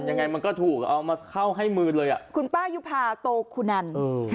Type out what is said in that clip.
ยังไงมันก็ถูกเอามาเข้าให้มือเลยอ่ะคุณป้ายุภาโตคุณัน